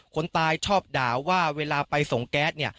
คนตายชอบด่าว่าเวลาไปส่งแก๊สเนี่ย